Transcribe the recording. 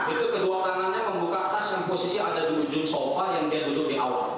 itu kedua tangannya membuka tas yang posisi ada di ujung sofa yang dia duduk di awal